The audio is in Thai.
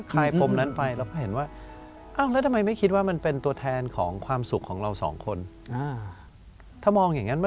คลายผมนั้นไปแล้วเห็นว่าคงว่าแล้วทำไมไม่คิดว่ามันเป็นผู้แทนของความสุขของเราสองคน